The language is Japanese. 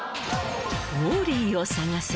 『ウォーリーをさがせ！』